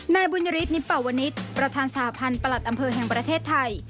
นายบุญยฤทธนิปวนิษฐ์ประธานสหพันธ์ประหลัดอำเภอแห่งประเทศไทย